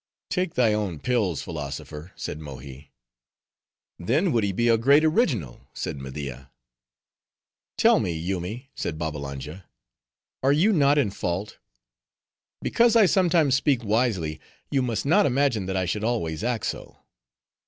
"Take thy own pills, philosopher," said Mohi. "Then would he be a great original," said Media. "Tell me, Yoomy," said Babbalanja, "are you not in fault? Because I sometimes speak wisely, you must not imagine that I should always act so."